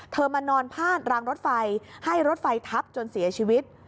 มานอนพาดรางรถไฟให้รถไฟทับจนเสียชีวิต